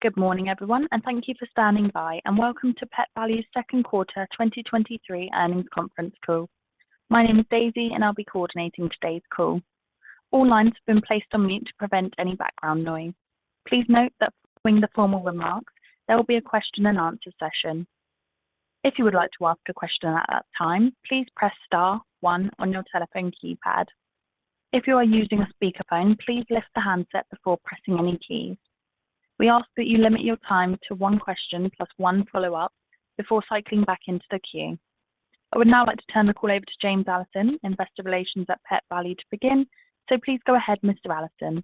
Good morning, everyone, and thank you for standing by, and welcome to Pet Valu's Q2 2023 earnings conference call. My name is Daisy, and I'll be coordinating today's call. All lines have been placed on mute to prevent any background noise. Please note that following the formal remarks, there will be a question and answer session. If you would like to ask a question at that time, please press star 1 on your telephone keypad. If you are using a speakerphone, please lift the handset before pressing any keys. We ask that you limit your time to one question plus one follow-up before cycling back into the queue. I would now like to turn the call over to James Allison, Investor Relations at Pet Valu, to begin. Please go ahead, Mr. Allison.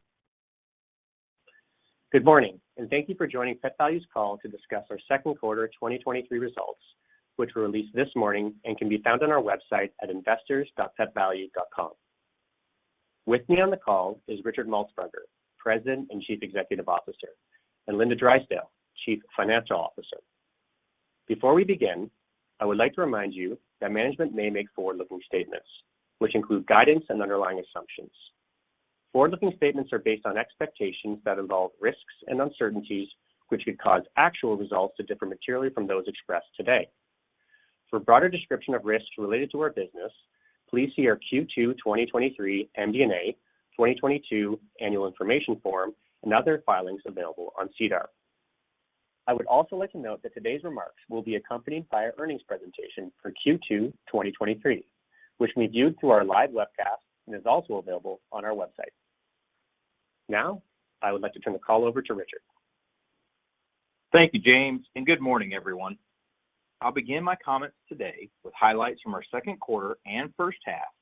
Good morning, and thank you for joining Pet Valu's call to discuss our Q2 2023 results, which were released this morning and can be found on our website at investors.petvalu.com. With me on the call is Richard Maltsbarger, president and chief executive officer, and Linda Drysdale, chief financial officer. Before we begin, I would like to remind you that management may make forward-looking statements, which include guidance and underlying assumptions. Forward-looking statements are based on expectations that involve risks and uncertainties, which could cause actual results to differ materially from those expressed today. For a broader description of risks related to our business, please see our Q2 2023 MD&A, 2022 annual information form, and other filings available on SEDAR. I would also like to note that today's remarks will be accompanied by our earnings presentation for Q2 2023, which can be viewed through our live webcast and is also available on our website. I would like to turn the call over to Richard. Thank you, James. Good morning, everyone. I'll begin my comments today with highlights from our Q2 and first half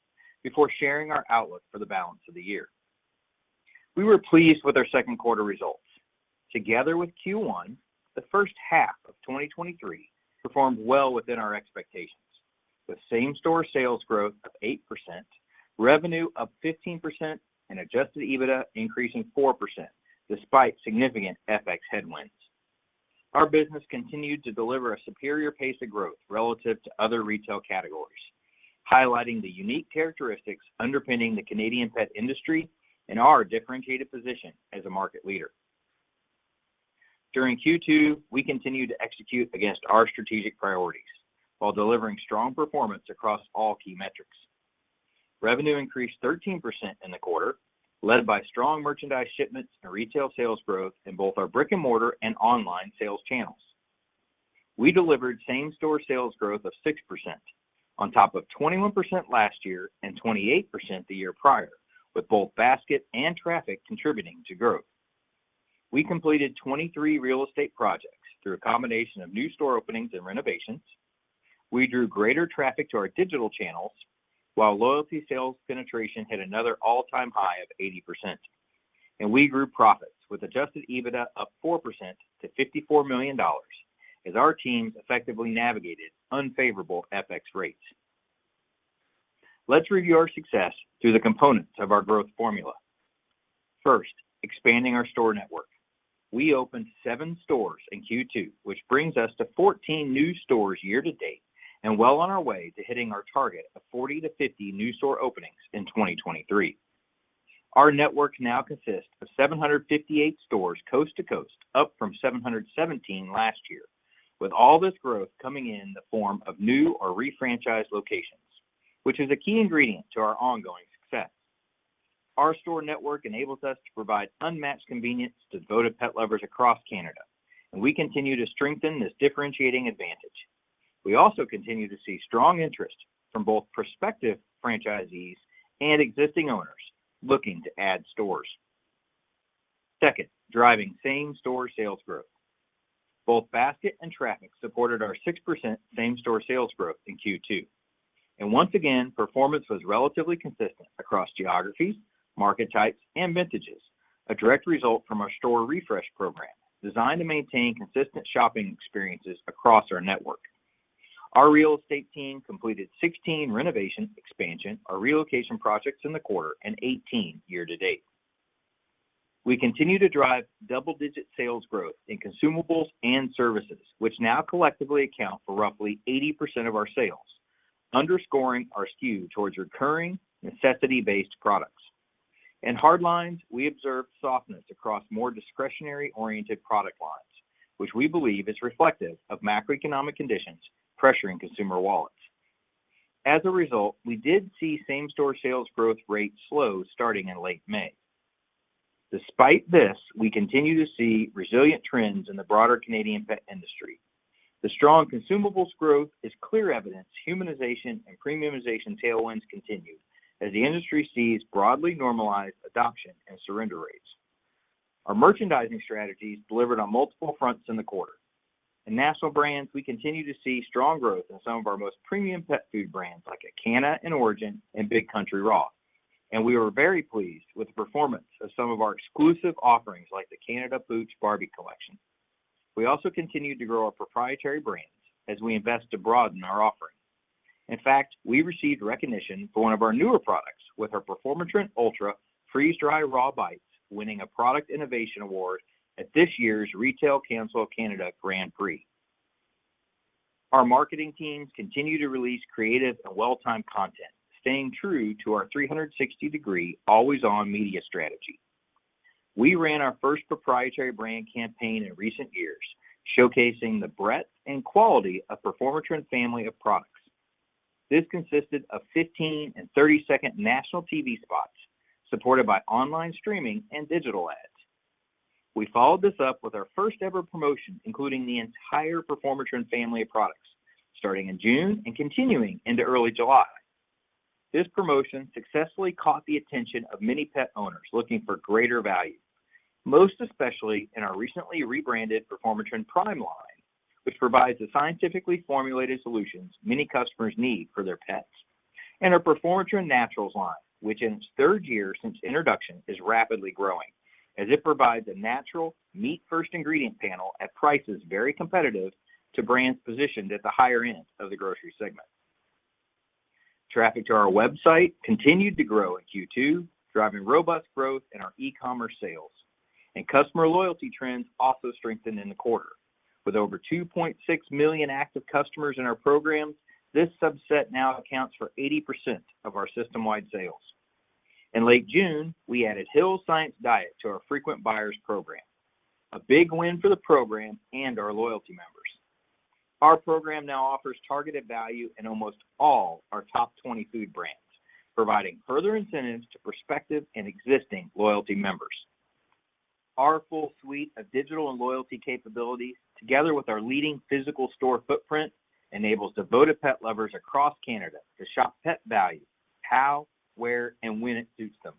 before sharing our outlook for the balance of the year. We were pleased with our Q2 results. Together with Q1, the first half of 2023 performed well within our expectations. With same-store sales growth of 8%, revenue up 15%, and Adjusted EBITDA increasing 4%, despite significant FX headwinds. Our business continued to deliver a superior pace of growth relative to other retail categories, highlighting the unique characteristics underpinning the Canadian pet industry and our differentiated position as a market leader. During Q2, we continued to execute against our strategic priorities while delivering strong performance across all key metrics. Revenue increased 13% in the quarter, led by strong merchandise shipments and retail sales growth in both our brick-and-mortar and online sales channels. We delivered same-store sales growth of 6% on top of 21% last year and 28% the year prior, with both basket and traffic contributing to growth. We completed 23 real estate projects through a combination of new store openings and renovations. We drew greater traffic to our digital channels, while loyalty sales penetration hit another all-time high of 80%. We grew profits, with Adjusted EBITDA up 4% to 54 million dollars as our teams effectively navigated unfavorable FX rates. Let's review our success through the components of our growth formula. First, expanding our store network. We opened 7 stores in Q2, which brings us to 14 new stores year to date and well on our way to hitting our target of 40-50 new store openings in 2023. Our network now consists of 758 stores coast to coast, up from 717 last year, with all this growth coming in the form of new or refranchised locations, which is a key ingredient to our ongoing success. Our store network enables us to provide unmatched convenience to devoted pet lovers across Canada, and we continue to strengthen this differentiating advantage. We also continue to see strong interest from both prospective franchisees and existing owners looking to add stores. Second, driving same-store sales growth. Both basket and traffic supported our 6% same-store sales growth in Q2, and once again, performance was relatively consistent across geographies, market types, and vintages, a direct result from our store refresh program, designed to maintain consistent shopping experiences across our network. Our real estate team completed 16 renovation, expansion, or relocation projects in the quarter and 18 year to date. We continue to drive double-digit sales growth in consumables and services, which now collectively account for roughly 80% of our sales, underscoring our skew towards recurring, necessity-based products. In hard lines, we observed softness across more discretionary-oriented product lines, which we believe is reflective of macroeconomic conditions pressuring consumer wallets. As a result, we did see same-store sales growth rates slow starting in late May. Despite this, we continue to see resilient trends in the broader Canadian pet industry. The strong consumables growth is clear evidence humanization and premiumization tailwinds continue as the industry sees broadly normalized adoption and surrender rates. Our merchandising strategies delivered on multiple fronts in the quarter. In national brands, we continue to see strong growth in some of our most premium pet food brands, like ACANA and Orijen and Big Country Raw, and we were very pleased with the performance of some of our exclusive offerings, like the Canada Pooch Barbie collection. We also continued to grow our proprietary brands as we invest to broaden our offering. In fact, we received recognition for one of our newer products with our Performatrin Ultra Freeze-Dried Raw Bites, winning a Product Innovation award at this year's Retail Council of Canada Grand Prix. Our marketing teams continue to release creative and well-timed content, staying true to our 360-degree, always-on media strategy. We ran our first proprietary brand campaign in recent years, showcasing the breadth and quality of Performatrin family of products. This consisted of 15 and 30-second national TV spots, supported by online streaming and digital ads. We followed this up with our first-ever promotion, including the entire Performatrin family of products, starting in June and continuing into early July. This promotion successfully caught the attention of many pet owners looking for greater value, most especially in our recently rebranded Performatrin Prime line, which provides the scientifically formulated solutions many customers need for their pets. Our Performatrin Naturals line, which in its 3rd year since introduction, is rapidly growing as it provides a natural, meat-first ingredient panel at prices very competitive to brands positioned at the higher end of the grocery segment. Traffic to our website continued to grow in Q2, driving robust growth in our e-commerce sales, and customer loyalty trends also strengthened in the quarter. With over 2.6 million active customers in our programs, this subset now accounts for 80% of our system-wide sales. In late June, we added Hill's Science Diet to our frequent buyers program, a big win for the program and our loyalty members. Our program now offers targeted value in almost all our top 20 food brands, providing further incentives to prospective and existing loyalty members. Our full suite of digital and loyalty capabilities, together with our leading physical store footprint, enables devoted pet lovers across Canada to shop Pet Valu, how, where, and when it suits them.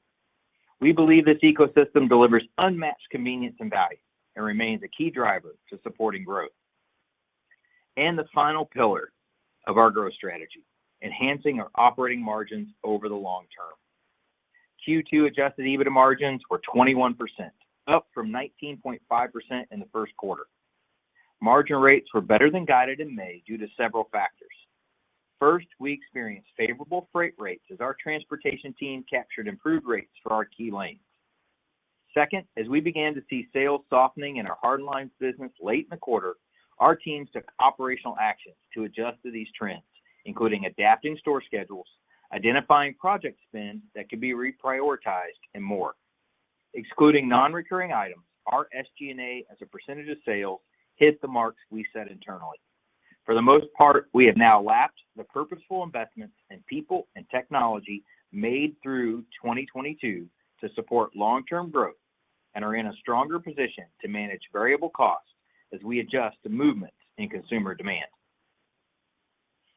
We believe this ecosystem delivers unmatched convenience and value and remains a key driver to supporting growth. The final pillar of our growth strategy, enhancing our operating margins over the long term. Q2 Adjusted EBITDA margins were 21%, up from 19.5% in the Q1. Margin rates were better than guided in May due to several factors. First, we experienced favorable freight rates as our transportation team captured improved rates for our key lanes. Second, as we began to see sales softening in our hard lines business late in the quarter, our teams took operational actions to adjust to these trends, including adapting store schedules, identifying project spend that could be reprioritized, and more. Excluding non-recurring items, our SG&A, as a % of sales, hit the marks we set internally. For the most part, we have now lapped the purposeful investments in people and technology made through 2022 to support long-term growth and are in a stronger position to manage variable costs as we adjust to movements in consumer demand.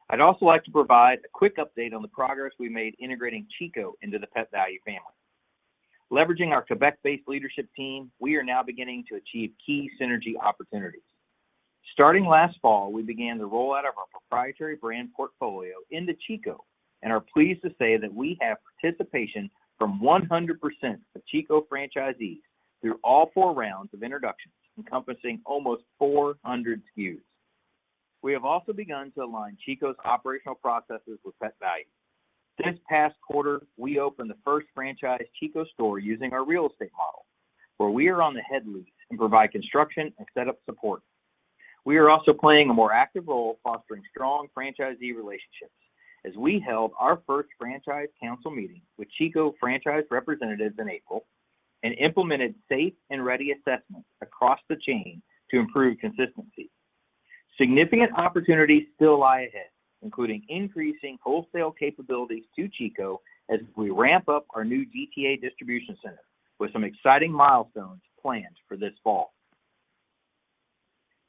I'd also like to provide a quick update on the progress we made integrating Chico into the Pet Valu family. Leveraging our Quebec-based leadership team, we are now beginning to achieve key synergy opportunities. Starting last fall, we began the rollout of our proprietary brand portfolio into Chico and are pleased to say that we have participation from 100% of Chico franchisees through all four rounds of introductions, encompassing almost 400 SKUs. We have also begun to align Chico's operational processes with Pet Valu. This past quarter, we opened the first franchise Chico store using our real estate model, where we are on the head lease and provide construction and setup support. We are also playing a more active role fostering strong franchisee relationships as we held our first franchise council meeting with Chico franchise representatives in April and implemented safe and ready assessments across the chain to improve consistency. Significant opportunities still lie ahead, including increasing wholesale capabilities to Chico as we ramp up our new GTA distribution center, with some exciting milestones planned for this fall.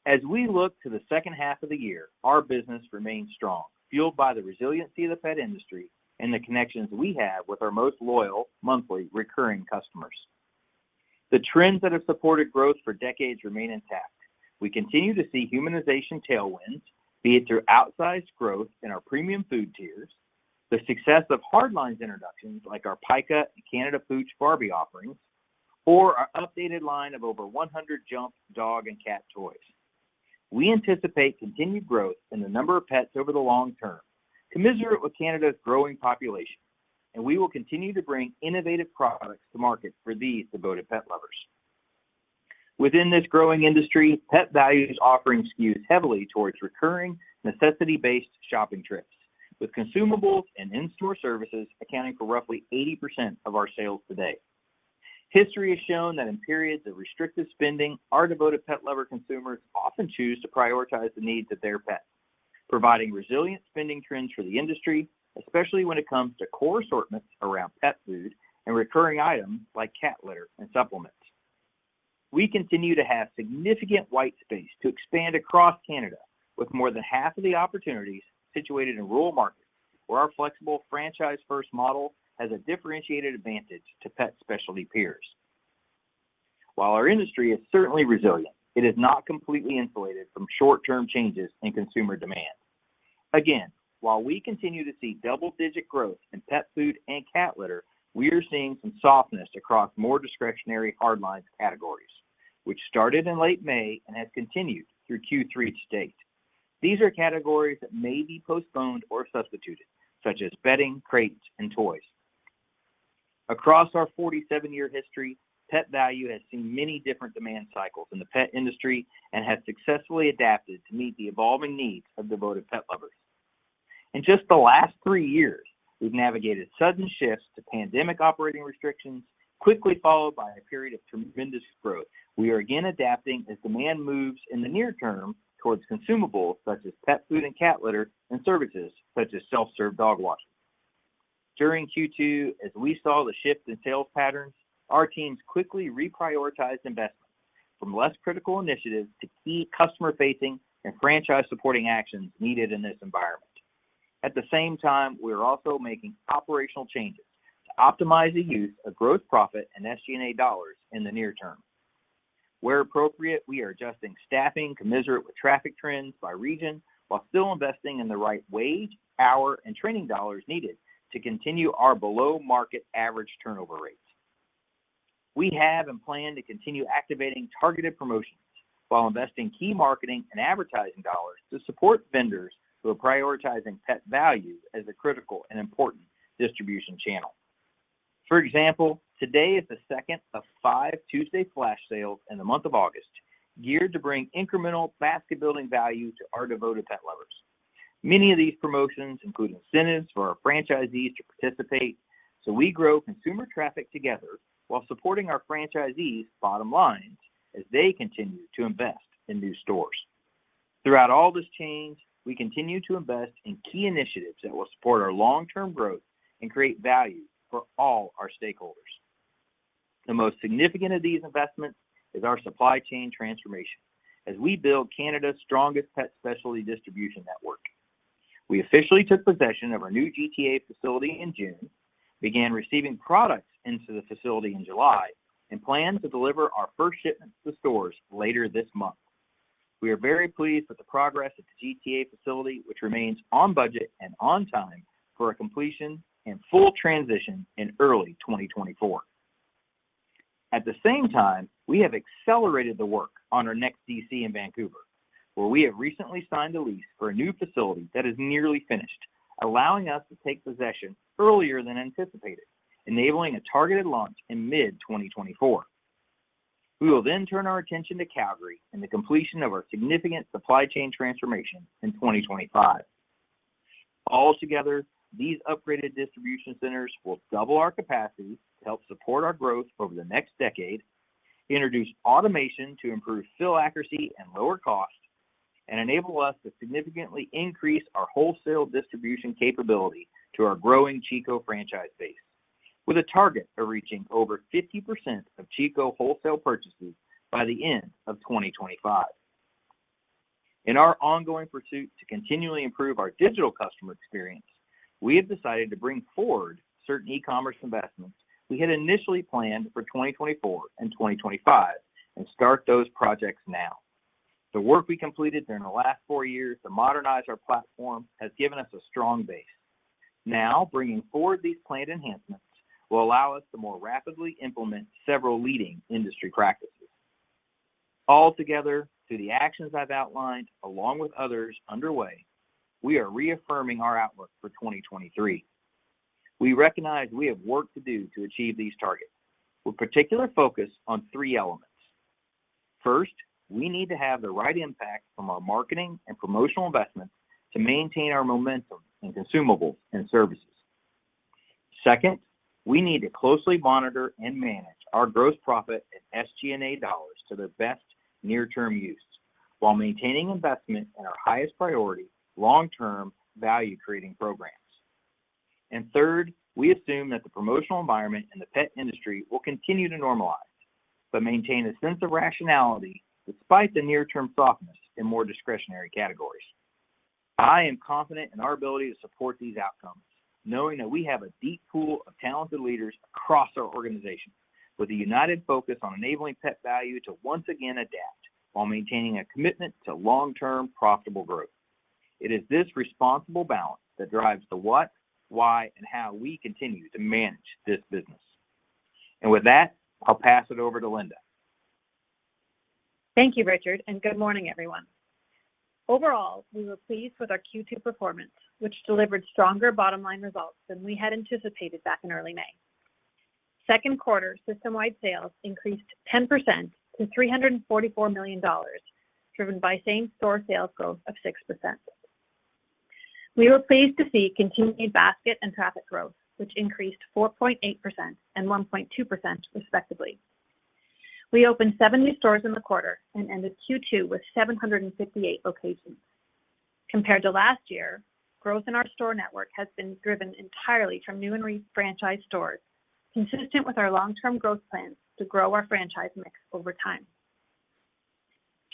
As we look to the second half of the year, our business remains strong, fueled by the resiliency of the pet industry and the connections we have with our most loyal, monthly recurring customers. The trends that have supported growth for decades remain intact. We continue to see humanization tailwinds, be it through outsized growth in our premium food tiers, the success of hard lines introductions like our PAIKKA and Canada Pooch Barbie offerings, or our updated line of over 100 Jump dog and cat toys. We anticipate continued growth in the number of pets over the long term, commiserate with Canada's growing population, and we will continue to bring innovative products to market for these devoted pet lovers. Within this growing industry, Pet Valu is offering SKUs heavily towards recurring, necessity-based shopping trips, with consumables and in-store services accounting for roughly 80% of our sales today. History has shown that in periods of restricted spending, our devoted pet lover consumers often choose to prioritize the needs of their pets, providing resilient spending trends for the industry, especially when it comes to core assortments around pet food and recurring items like cat litter and supplements. We continue to have significant white space to expand across Canada, with more than half of the opportunities situated in rural markets, where our flexible franchise-first model has a differentiated advantage to pet specialty peers. While our industry is certainly resilient, it is not completely insulated from short-term changes in consumer demand. Again, while we continue to see double-digit growth in pet food and cat litter, we are seeing some softness across more discretionary hard lines categories, which started in late May and has continued through Q3 to date. These are categories that may be postponed or substituted, such as bedding, crates, and toys. Across our 47-year history, Pet Valu has seen many different demand cycles in the pet industry and has successfully adapted to meet the evolving needs of devoted pet lovers. In just the last three years, we've navigated sudden shifts to pandemic operating restrictions, quickly followed by a period of tremendous growth. We are again adapting as demand moves in the near term towards consumables, such as pet food and cat litter, and services, such as self-serve dog washing. During Q2, as we saw the shift in sales patterns, our teams quickly reprioritized investments from less critical initiatives to key customer-facing and franchise-supporting actions needed in this environment. At the same time, we are also making operational changes to optimize the use of growth, profit, and SG&A dollars in the near term. Where appropriate, we are adjusting staffing commensurate with traffic trends by region, while still investing in the right wage, hour, and training dollars needed to continue our below-market average turnover rates. We have and plan to continue activating targeted promotions while investing key marketing and advertising dollars to support vendors who are prioritizing Pet Valu as a critical and important distribution channel. For example, today is the second of 5 Tuesday flash sales in the month of August, geared to bring incremental basket-building value to our devoted pet lovers. Many of these promotions include incentives for our franchisees to participate, so we grow consumer traffic together while supporting our franchisees' bottom lines as they continue to invest in new stores. Throughout all this change, we continue to invest in key initiatives that will support our long-term growth and create value for all our stakeholders. The most significant of these investments is our supply chain transformation as we build Canada's strongest pet specialty distribution network. We officially took possession of our new GTA facility in June, began receiving products into the facility in July, and plan to deliver our first shipments to stores later this month. We are very pleased with the progress at the GTA facility, which remains on budget and on time for a completion and full transition in early 2024. At the same time, we have accelerated the work on our next DC in Vancouver, where we have recently signed a lease for a new facility that is nearly finished, allowing us to take possession earlier than anticipated, enabling a targeted launch in mid-2024. We will then turn our attention to Calgary and the completion of our significant supply chain transformation in 2025. Altogether, these upgraded distribution centers will double our capacity to help support our growth over the next decade, introduce automation to improve fill accuracy and lower costs, and enable us to significantly increase our wholesale distribution capability to our growing Chico franchise base, with a target of reaching over 50% of Chico wholesale purchases by the end of 2025. In our ongoing pursuit to continually improve our digital customer experience, we have decided to bring forward certain e-commerce investments we had initially planned for 2024 and 2025 and start those projects now. The work we completed during the last four years to modernize our platform has given us a strong base. Bringing forward these planned enhancements will allow us to more rapidly implement several leading industry practices. Altogether, through the actions I've outlined, along with others underway, we are reaffirming our outlook for 2023. We recognize we have work to do to achieve these targets, with particular focus on three elements. First, we need to have the right impact from our marketing and promotional investments to maintain our momentum in consumables and services. Second, we need to closely monitor and manage our gross profit and SG&A dollars to their best near-term use, while maintaining investment in our highest priority, long-term, value-creating programs. Third, we assume that the promotional environment in the pet industry will continue to normalize but maintain a sense of rationality despite the near-term softness in more discretionary categories. I am confident in our ability to support these outcomes, knowing that we have a deep pool of talented leaders across our organization with a united focus on enabling Pet Valu to once again adapt while maintaining a commitment to long-term, profitable growth. It is this responsible balance that drives the what, why, and how we continue to manage this business. With that, I'll pass it over to Linda. Thank you, Richard, and good morning, everyone. Overall, we were pleased with our Q2 performance, which delivered stronger bottom-line results than we had anticipated back in early May. Q2 system-wide sales increased 10% to 344 million dollars, driven by same-store sales growth of 6%. We were pleased to see continued basket and traffic growth, which increased 4.8% and 1.2% respectively. We opened 7 new stores in the quarter and ended Q2 with 758 locations. Compared to last year, growth in our store network has been driven entirely from new and refranchised stores, consistent with our long-term growth plans to grow our franchise mix over time.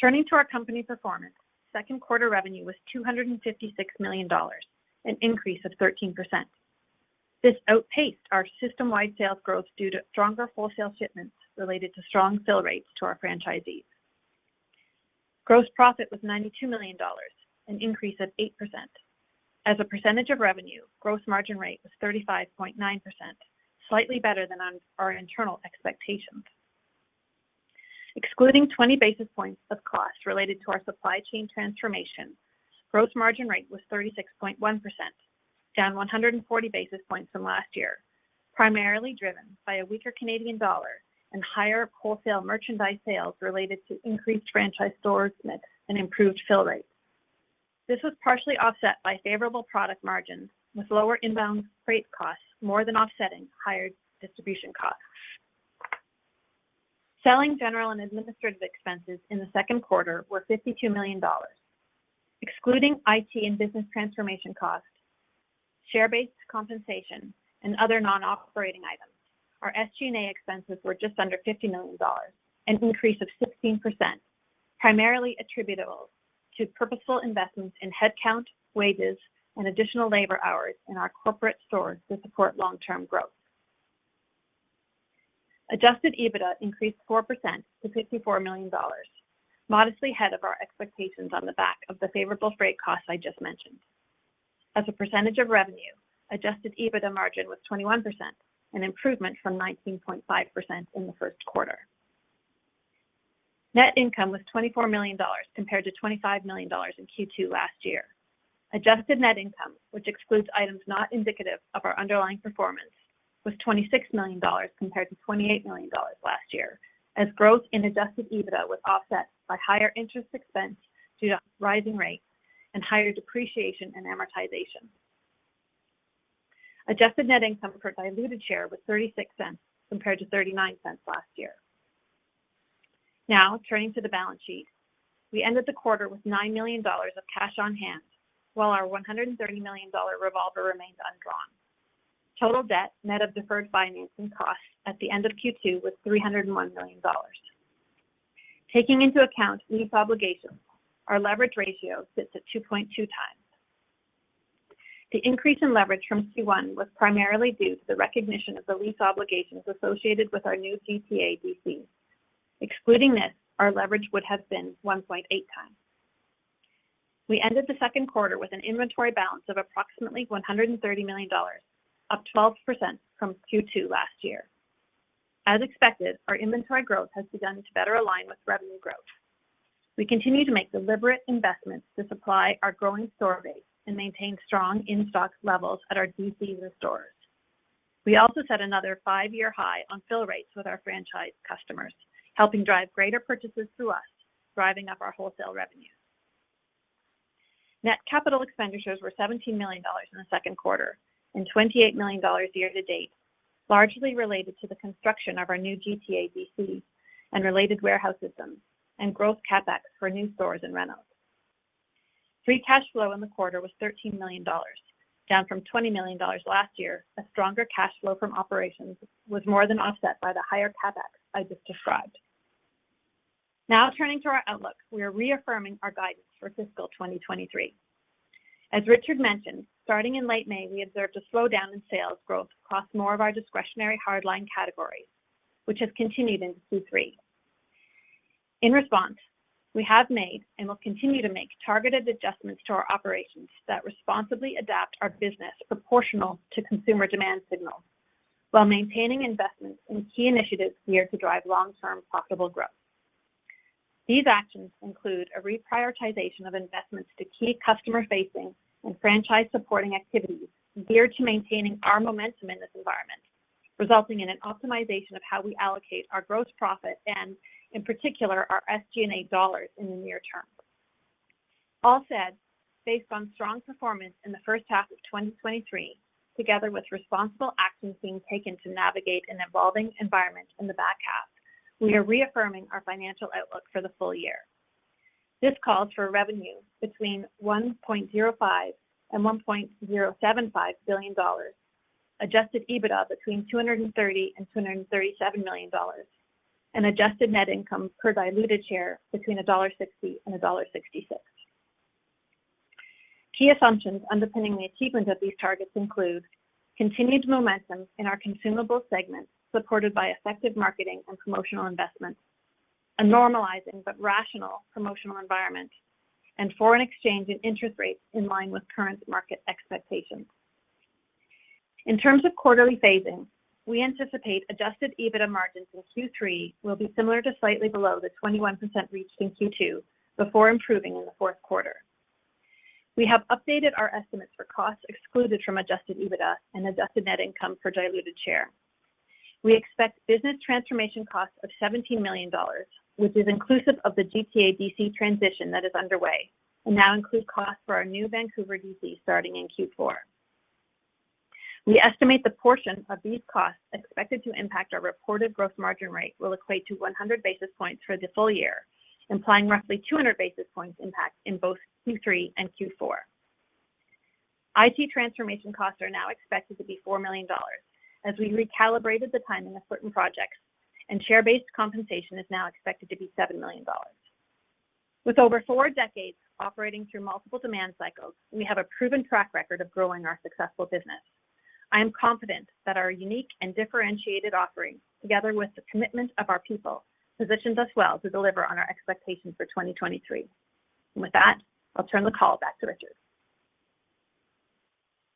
Turning to our company performance, Q2 revenue was 256 million dollars, an increase of 13%. This outpaced our system-wide sales growth due to stronger wholesale shipments related to strong fill rates to our franchisees. Gross profit was 92 million dollars, an increase of 8%. As a percentage of revenue, gross margin rate was 35.9%, slightly better than on our internal expectations. Excluding 20 basis points of cost related to our supply chain transformation, gross margin rate was 36.1%, down 140 basis points from last year, primarily driven by a weaker Canadian dollar and higher wholesale merchandise sales related to increased franchise stores and improved fill rates. This was partially offset by favorable product margins, with lower inbound freight costs more than offsetting higher distribution costs. Selling, General and Administrative Expenses in the Q2 were 52 million dollars. Excluding IT and business transformation costs, share-based compensation, and other non-operating items, our SG&A expenses were just under 50 million dollars, an increase of 16%, primarily attributable to purposeful investments in headcount, wages, and additional labor hours in our corporate stores to support long-term growth. Adjusted EBITDA increased 4% to 54 million dollars, modestly ahead of our expectations on the back of the favorable freight costs I just mentioned. As a percentage of revenue, Adjusted EBITDA margin was 21%, an improvement from 19.5% in the Q1. Net income was 24 million dollars, compared to 25 million dollars in Q2 last year. Adjusted net income, which excludes items not indicative of our underlying performance, was 26 million dollars compared to 28 million dollars last year, as growth in Adjusted EBITDA was offset by higher interest expense due to rising rates and higher depreciation and amortization. Adjusted net income per diluted share was 0.36 compared to 0.39 last year. Now, turning to the balance sheet. We ended the quarter with 9 million dollars of cash on hand, while our 130 million dollar revolver remains undrawn. Total debt, net of deferred financing costs at the end of Q2, was 301 million dollars. Taking into account lease obligations, our leverage ratio sits at 2.2 times. The increase in leverage from Q1 was primarily due to the recognition of the lease obligations associated with our new GTA DC. Excluding this, our leverage would have been 1.8 times. We ended the Q2 with an inventory balance of approximately 130 million dollars, up 12% from Q2 last year. As expected, our inventory growth has begun to better align with revenue growth. We continue to make deliberate investments to supply our growing store base and maintain strong in-stock levels at our DC and the stores. We also set another five-year high on fill rates with our franchise customers, helping drive greater purchases through us, driving up our wholesale revenue. Net capital expenditures were 17 million dollars in the Q2 and 28 million dollars year to date, largely related to the construction of our new GTA DC and related warehouse systems and growth CapEx for new stores and renos. Free cash flow in the quarter was 13 million dollars, down from 20 million dollars last year. A stronger cash flow from operations was more than offset by the higher CapEx I just described. Turning to our outlook, we are reaffirming our guidance for fiscal 2023. As Richard mentioned, starting in late May, we observed a slowdown in sales growth across more of our discretionary hard line categories, which has continued into Q3. In response, we have made, and will continue to make, targeted adjustments to our operations that responsibly adapt our business proportional to consumer demand signals, while maintaining investments in key initiatives geared to drive long-term profitable growth. These actions include a reprioritization of investments to key customer-facing and franchise-supporting activities geared to maintaining our momentum in this environment, resulting in an optimization of how we allocate our gross profit and, in particular, our SG&A dollars in the near term. All said, based on strong performance in the first half of 2023, together with responsible actions being taken to navigate an evolving environment in the back half, we are reaffirming our financial outlook for the full year. This calls for revenue between 1.05 billion and 1.075 billion dollars, Adjusted EBITDA between 230 million dollars and CAD 237 million, and adjusted net income per diluted share between dollar 1.60 and dollar 1.66. Key assumptions underpinning the achievement of these targets include continued momentum in our consumable segment, supported by effective marketing and promotional investments, a normalizing but rational promotional environment, and foreign exchange and interest rates in line with current market expectations. In terms of quarterly phasing, we anticipate Adjusted EBITDA margins in Q3 will be similar to slightly below the 21% reached in Q2, before improving in the Q4. We have updated our estimates for costs excluded from Adjusted EBITDA and adjusted net income per diluted share. We expect business transformation costs of 17 million dollars, which is inclusive of the GTA DC transition that is underway, and now include costs for our new Vancouver DC starting in Q4. We estimate the portion of these costs expected to impact our reported gross margin rate will equate to 100 basis points for the full year, implying roughly 200 basis points impact in both Q3 and Q4. IT transformation costs are now expected to be 4 million dollars as we recalibrated the timing of certain projects, and share-based compensation is now expected to be 7 million dollars. With over four decades operating through multiple demand cycles, we have a proven track record of growing our successful business. I am confident that our unique and differentiated offerings, together with the commitment of our people, positions us well to deliver on our expectations for 2023. With that, I'll turn the call back to Richard.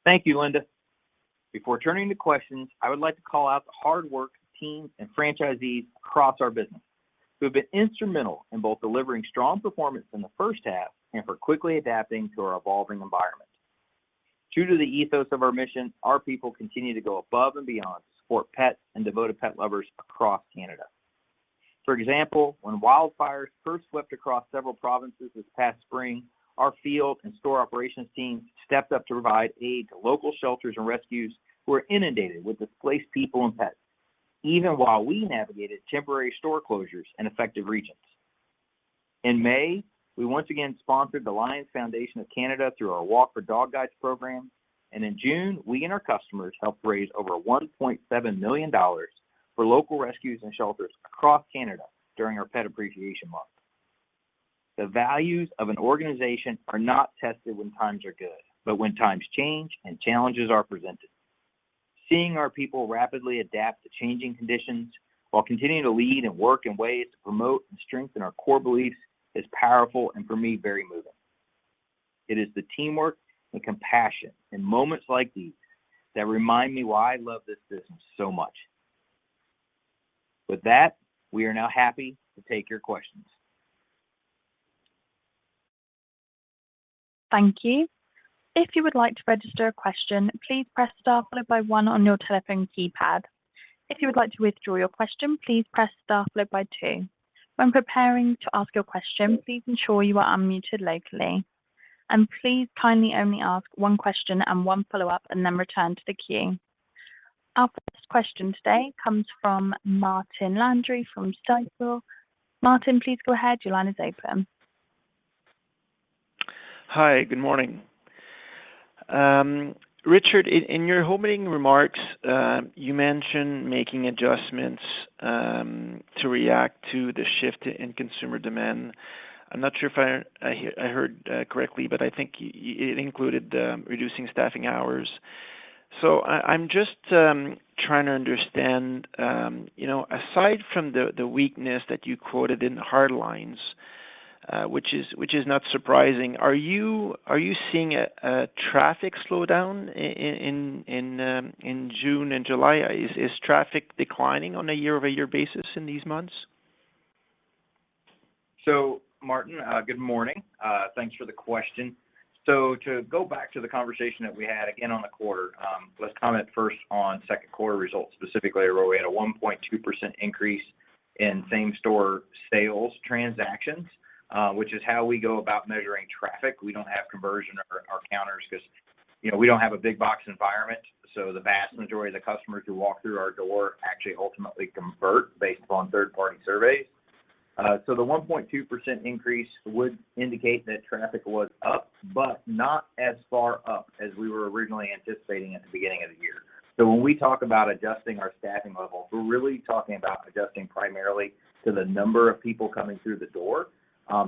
Thank you, Linda. Before turning to questions, I would like to call out the hard work, team, and franchisees across our business, who have been instrumental in both delivering strong performance in the first half and for quickly adapting to our evolving environment. Due to the ethos of our mission, our people continue to go above and beyond to support pets and devoted pet lovers across Canada. For example, when wildfires first swept across several provinces this past spring, our field and store operations team stepped up to provide aid to local shelters and rescues, who were inundated with displaced people and pets, even while we navigated temporary store closures in affected regions. In May, we once again sponsored the Lions Foundation of Canada through our Walk for Dog Guides program, and in June, we and our customers helped raise over 1.7 million dollars for local rescues and shelters across Canada during our Pet Appreciation Month. The values of an organization are not tested when times are good, but when times change and challenges are presented. Seeing our people rapidly adapt to changing conditions while continuing to lead and work in ways to promote and strengthen our core beliefs is powerful, and for me, very moving. It is the teamwork and compassion in moments like these that remind me why I love this business so much. With that, we are now happy to take your questions. Thank you. If you would like to register a question, please press star followed by 1 on your telephone keypad. If you would like to withdraw your question, please press star followed by 2. When preparing to ask your question, please ensure you are unmuted locally, and please kindly only ask 1 question and 1 follow-up, and then return to the queue. Our first question today comes from Martin Landry from Stifel. Martin, please go ahead. Your line is open. Hi, good morning. Richard, in, in your opening remarks, you mentioned making adjustments to react to the shift in consumer demand. I'm not sure if I heard correctly, but I think it included reducing staffing hours. I, I'm just trying to understand, you know, aside from the weakness that you quoted in hardlines, which is, which is not surprising, are you, are you seeing a traffic slowdown in June and July? Is, is traffic declining on a year-over-year basis in these months? Martin, good morning. Thanks for the question. To go back to the conversation that we had again on the quarter, let's comment first on Q2 results, specifically where we had a 1.2% increase in same-store sales transactions, which is how we go about measuring traffic. We don't have conversion or our counters 'cause, you know, we don't have a big box environment, so the vast majority of the customers who walk through our door actually ultimately convert based upon third-party surveys. The 1.2% increase would indicate that traffic was up, but not as far up as we were originally anticipating at the beginning of the year. When we talk about adjusting our staffing level, we're really talking about adjusting primarily to the number of people coming through the door.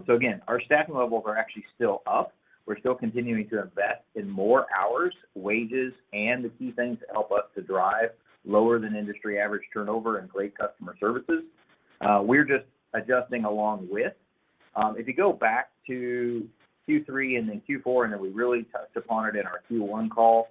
Again, our staffing levels are actually still up. We're still continuing to invest in more hours, wages, and the key things that help us to drive lower than industry average turnover and great customer services. We're just adjusting along with. If you go back to Q3 and then Q4, and then we really touched upon it in our Q1 call,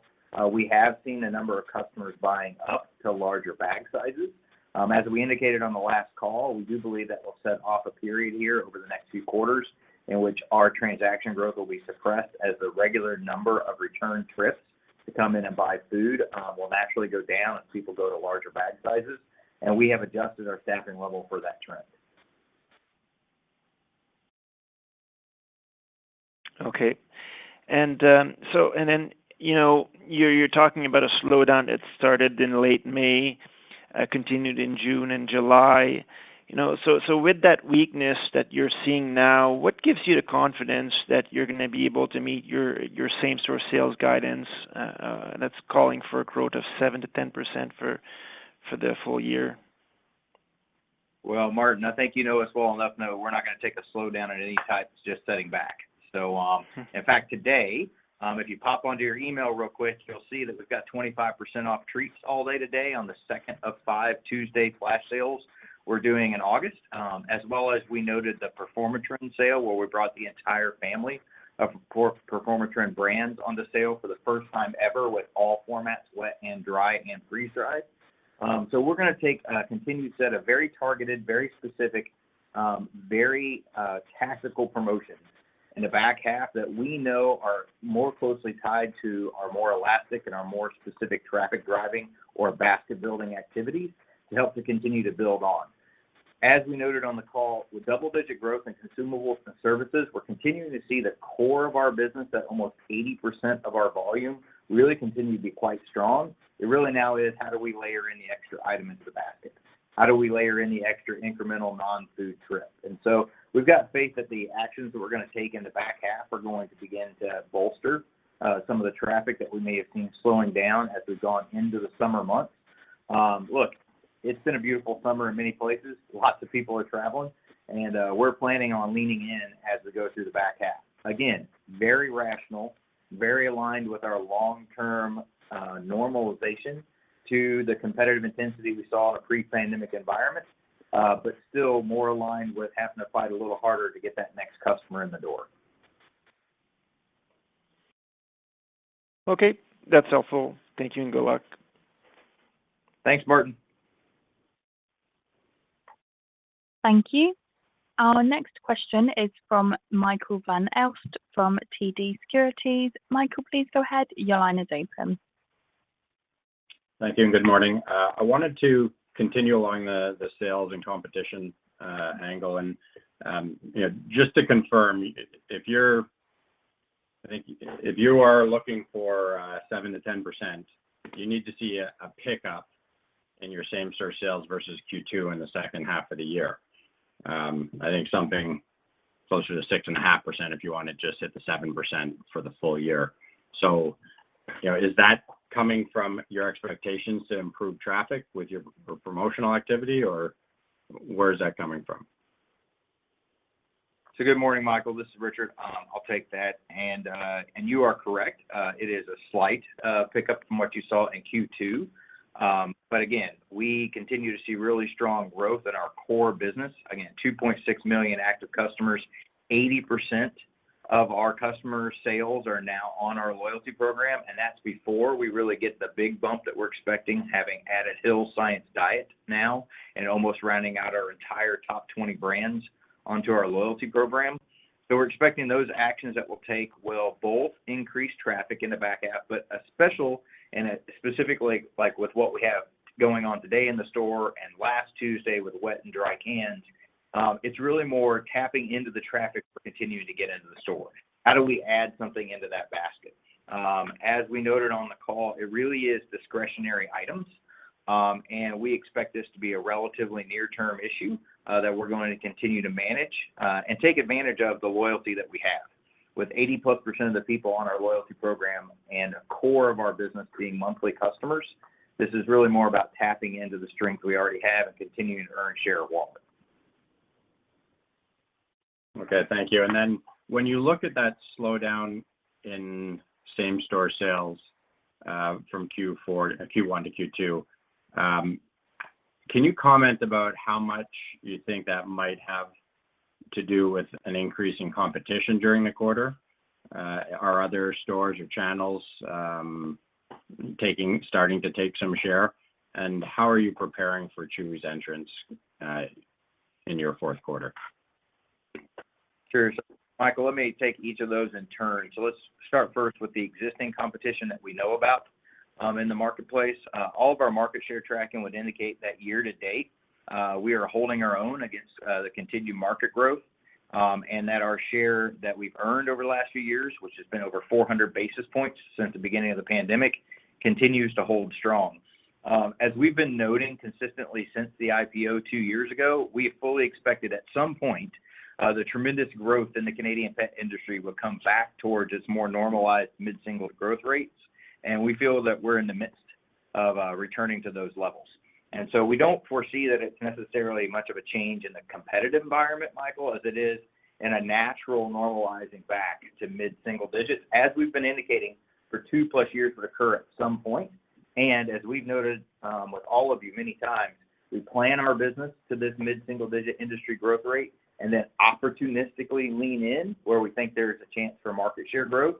we have seen the number of customers buying up to larger bag sizes. As we indicated on the last call, we do believe that will set off a period here over the next few quarters in which our transaction growth will be suppressed as the regular number of return trips to come in and buy food will naturally go down and people go to larger bag sizes, and we have adjusted our staffing level for that trend. Okay. You know, you're, you're talking about a slowdown that started in late May, continued in June and July, you know? With that weakness that you're seeing now, what gives you the confidence that you're gonna be able to meet your, your same-store sales guidance that's calling for a growth of 7% to 10% for the full year? Well, Martin, I think you know us well enough to know we're not gonna take a slowdown at any time, it's just setting back. In fact, today, if you pop onto your email real quick, you'll see that we've got 25% off treats all day today on the 2nd of 5 Tuesday flash sales we're doing in August. As well as we noted the Performatrin sale, where we brought the entire family of Performatrin brands on the sale for the first time ever with all formats, wet and dry and freeze-dried. We're gonna take a continued set of very targeted, very specific, very tactical promotions in the back half that we know are more closely tied to our more elastic and our more specific traffic driving or basket building activities to help to continue to build on. As we noted on the call, with double-digit growth in consumables and services, we're continuing to see the core of our business at almost 80% of our volume, really continue to be quite strong. It really now is: how do we layer any extra item into the basket? How do we layer any extra incremental non-food trip? So we've got faith that the actions that we're gonna take in the back half are going to begin to bolster some of the traffic that we may have seen slowing down as we've gone into the summer months. Look, it's been a beautiful summer in many places. Lots of people are traveling, and we're planning on leaning in as we go through the back half. Again, very rational, very aligned with our long-term normalization to the competitive intensity we saw in a pre-pandemic environment.... Still more aligned with having to fight a little harder to get that next customer in the door. Okay, that's helpful. Thank you, and good luck. Thanks, Martin. Thank you. Our next question is from Michael Van Aelst from TD Securities. Michael, please go ahead. Your line is open. Thank you. Good morning. I wanted to continue along the sales and competition angle. You know, just to confirm, if you are looking for 7%-10%, you need to see a pickup in your same-store sales versus Q2 in the second half of the year. I think something closer to 6.5% if you want to just hit the 7% for the full year. You know, is that coming from your expectations to improve traffic with your promotional activity, or where is that coming from? Good morning, Michael. This is Richard. I'll take that. You are correct. It is a slight pickup from what you saw in Q2. Again, we continue to see really strong growth in our core business. Again, 2.6 million active customers. 80% of our customer sales are now on our loyalty program, and that's before we really get the big bump that we're expecting, having added Hill's Science Diet now and almost rounding out our entire top 20 brands onto our loyalty program. We're expecting those actions that we'll take will both increase traffic in the back half, but specifically, like with what we have going on today in the store and last Tuesday with wet and dry cans, it's really more tapping into the traffic we're continuing to get into the store. How do we add something into that basket? As we noted on the call, it really is discretionary items, we expect this to be a relatively near-term issue, that we're going to continue to manage, and take advantage of the loyalty that we have. With 80+% of the people on our loyalty program and a core of our business being monthly customers, this is really more about tapping into the strength we already have and continuing to earn share of wallet. Okay, thank you. When you look at that slowdown in same-store sales, from Q4, Q1 to Q2, can you comment about how much you think that might have to do with an increase in competition during the quarter? Are other stores or channels, taking, starting to take some share, how are you preparing for Chewy's entrance, in your Q4? Sure. Michael, let me take each of those in turn. Let's start first with the existing competition that we know about in the marketplace. All of our market share tracking would indicate that year to date, we are holding our own against the continued market growth, and that our share that we've earned over the last few years, which has been over 400 basis points since the beginning of the pandemic, continues to hold strong. As we've been noting consistently since the IPO 2 years ago, we fully expected at some point, the tremendous growth in the Canadian pet industry would come back towards its more normalized mid-single growth rates, and we feel that we're in the midst of returning to those levels. We don't foresee that it's necessarily much of a change in the competitive environment, Michael, as it is in a natural normalizing back to mid-single digits, as we've been indicating for two-plus years would occur at some point. As we've noted, with all of you many times, we plan our business to this mid-single digit industry growth rate and then opportunistically lean in where we think there's a chance for market share growth.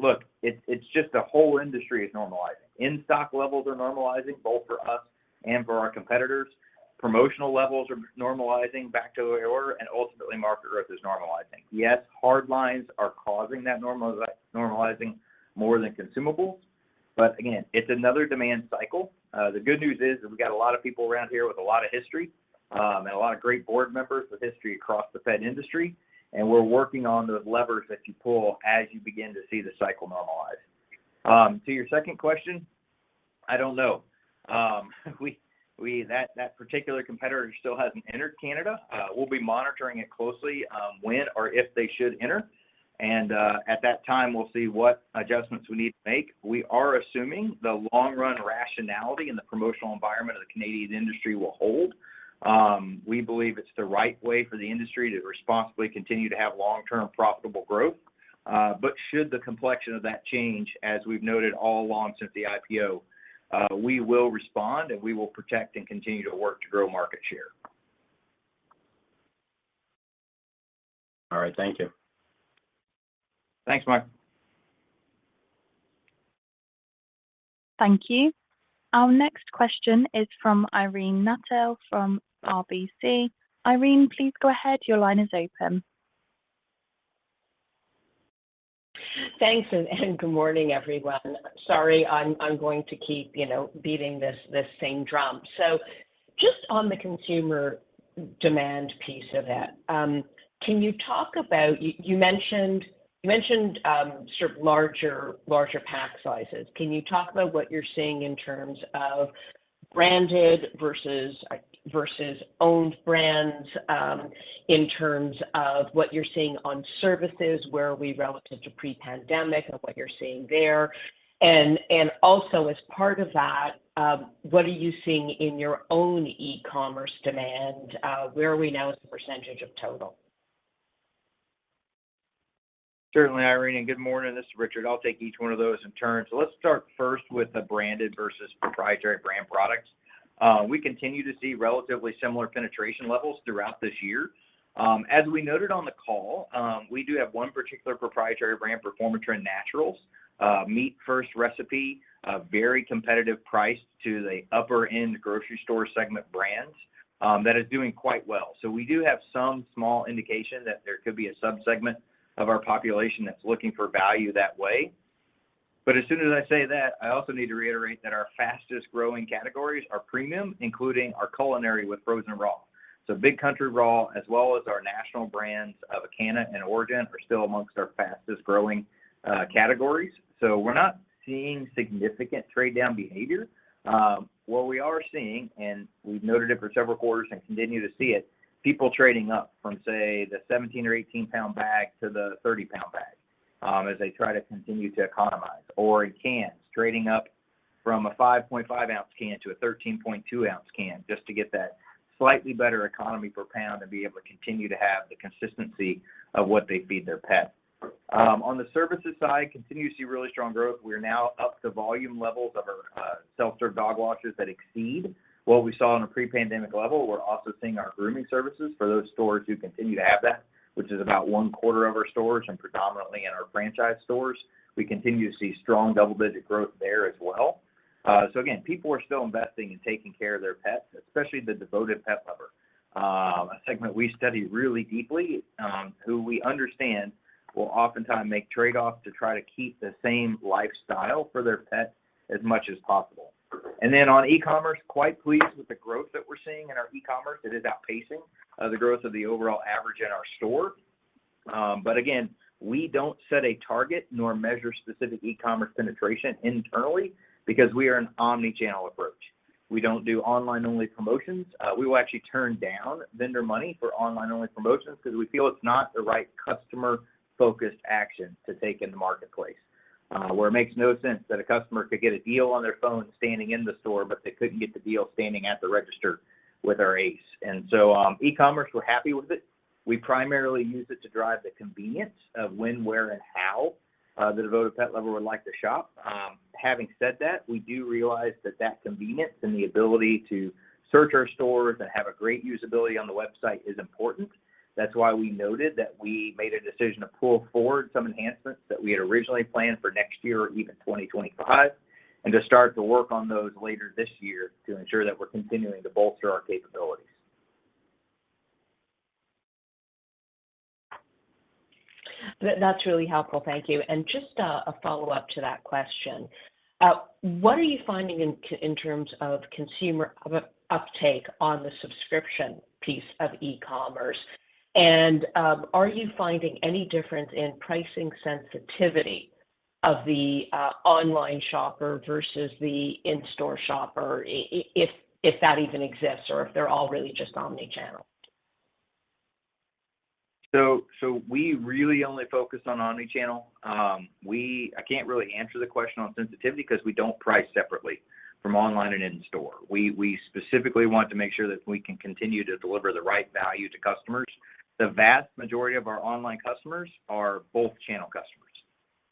Look, it's, it's just the whole industry is normalizing. In-stock levels are normalizing, both for us and for our competitors. Promotional levels are normalizing back to order, and ultimately, market growth is normalizing. Hard lines are causing that normalizing more than consumables, again, it's another demand cycle. The good news is that we've got a lot of people around here with a lot of history, and a lot of great board members with history across the pet industry. We're working on the levers that you pull as you begin to see the cycle normalize. To your second question, I don't know. We, we, that, that particular competitor still hasn't entered Canada. We'll be monitoring it closely when or if they should enter. At that time, we'll see what adjustments we need to make. We are assuming the long-run rationality in the promotional environment of the Canadian industry will hold. We believe it's the right way for the industry to responsibly continue to have long-term profitable growth. Should the complexion of that change, as we've noted all along since the IPO, we will respond, and we will protect and continue to work to grow market share. All right. Thank you. Thanks, Mike. Thank you. Our next question is from Irene Nattel, from RBC. Irene, please go ahead. Your line is open. Thanks. Good morning, everyone. Sorry, I'm going to keep, you know, beating this same drum. Just on the consumer demand piece of it, you mentioned, sort of larger pack sizes. Can you talk about what you're seeing in terms of branded versus owned brands, in terms of what you're seeing on services, where are we relative to pre-pandemic and what you're seeing there? Also as part of that, what are you seeing in your own e-commerce demand? Where are we now as a percentage of total? ...Certainly, Irene, and good morning. This is Richard. I'll take each one of those in turn. Let's start first with the branded versus proprietary brand products. We continue to see relatively similar penetration levels throughout this year. As we noted on the call, we do have one particular proprietary brand, Performatrin Naturals, meat-first recipe, a very competitive price to the upper-end grocery store segment brands, that is doing quite well. We do have some small indication that there could be a subsegment of our population that's looking for value that way. As soon as I say that, I also need to reiterate that our fastest-growing categories are premium, including our culinary with frozen raw. Big Country Raw, as well as our national brands of ACANA and Orijen, are still amongst our fastest-growing categories. We're not seeing significant trade-down behavior. What we are seeing, and we've noted it for several quarters and continue to see it, people trading up from, say, the 17- or 18-pound bag to the 30-pound bag, as they try to continue to economize. In cans, trading up from a 5.5 ounce can to a 13.2 ounce can, just to get that slightly better economy per pound and be able to continue to have the consistency of what they feed their pet. On the services side, continue to see really strong growth. We are now up to volume levels of our self-serve dog washers that exceed what we saw on a pre-pandemic level. We're also seeing our grooming services for those stores who continue to have that, which is about one quarter of our stores and predominantly in our franchise stores. We continue to see strong double-digit growth there as well. Again, people are still investing in taking care of their pets, especially the devoted pet lover, a segment we study really deeply, who we understand will oftentimes make trade-offs to try to keep the same lifestyle for their pet as much as possible. Then on e-commerce, quite pleased with the growth that we're seeing in our e-commerce. It is outpacing the growth of the overall average in our store. Again, we don't set a target nor measure specific e-commerce penetration internally because we are an omni-channel approach. We don't do online-only promotions. We will actually turn down vendor money for online-only promotions because we feel it's not the right customer-focused action to take in the marketplace, where it makes no sense that a customer could get a deal on their phone standing in the store, but they couldn't get the deal standing at the register with our ACE. So, e-commerce, we're happy with it. We primarily use it to drive the convenience of when, where, and how, the devoted pet lover would like to shop. Having said that, we do realize that that convenience and the ability to search our stores and have a great usability on the website is important. That's why we noted that we made a decision to pull forward some enhancements that we had originally planned for next year or even 2025, and to start to work on those later this year to ensure that we're continuing to bolster our capabilities. That's really helpful. Thank you. Just a follow-up to that question. What are you finding in, in terms of consumer uptake on the subscription piece of e-commerce? Are you finding any difference in pricing sensitivity of the online shopper versus the in-store shopper, if, if that even exists, or if they're all really just omni-channel? We really only focus on omni-channel. I can't really answer the question on sensitivity because we don't price separately from online and in-store. We specifically want to make sure that we can continue to deliver the right value to customers. The vast majority of our online customers are both channel customers.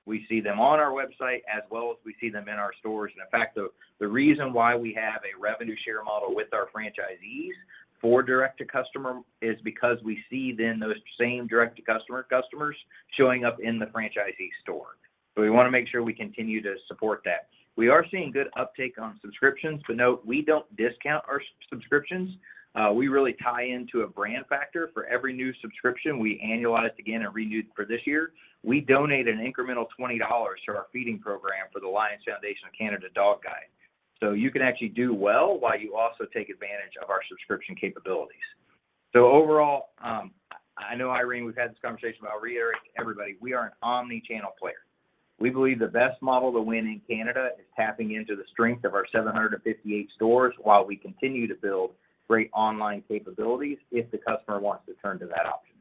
We see them on our website as well as we see them in our stores. In fact, the reason why we have a revenue share model with our franchisees for direct-to-customer is because we see then those same direct-to-customer customers showing up in the franchisee store. We want to make sure we continue to support that. We are seeing good uptake on subscriptions, but note, we don't discount our subscriptions. We really tie into a brand factor. For every new subscription, we annualize it again and renew for this year. We donate an incremental $20 to our feeding program for the Lions Foundation of Canada Dog Guides. You can actually do well while you also take advantage of our subscription capabilities. Overall, I know, Irene, we've had this conversation about reiterating to everybody, we are an omni-channel player. We believe the best model to win in Canada is tapping into the strength of our 758 stores while we continue to build great online capabilities if the customer wants to turn to that option.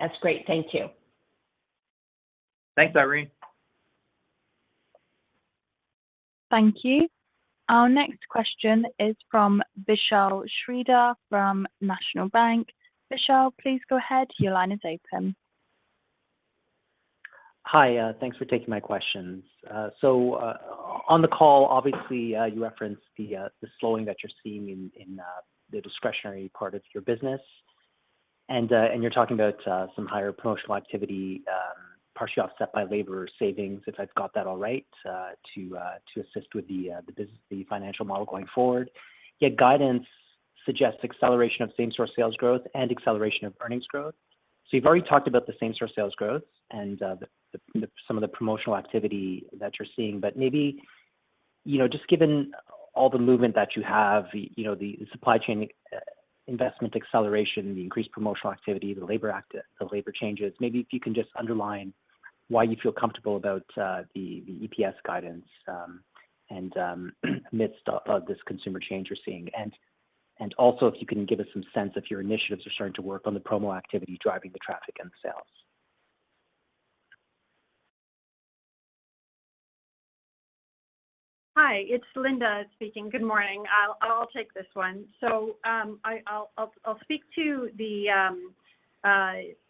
That's great. Thank you. Thanks, Irene. Thank you. Our next question is from Vishal Shreedhar, from National Bank. Vishal, please go ahead. Your line is open. Hi, thanks for taking my questions. On the call, obviously, you referenced the slowing that you're seeing in, in the discretionary part of your business. You're talking about some higher promotional activity, partially offset by labor savings, if I've got that all right, to assist with the business, the financial model going forward. Yet guidance suggests acceleration of same-store sales growth and acceleration of earnings growth. You've already talked about the same-store sales growth and some of the promotional activity that you're seeing, but maybe, you know, just given all the movement that you have, you know, the supply chain investment acceleration, the increased promotional activity, the labor act, the labor changes, maybe if you can just underline why you feel comfortable about the EPS guidance and amidst of this consumer change you're seeing. Also, if you can give us some sense if your initiatives are starting to work on the promo activity, driving the traffic and the sales? Hi, it's Linda speaking. Good morning. I'll, I'll take this one. I'll speak to the